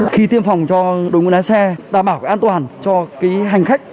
khi tiêm phòng cho đội ngũ lái xe đảm bảo an toàn cho hành khách